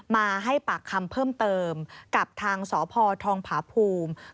มาให้ปากคำเพิ่มเติมกับทางสพทองผาภูมิ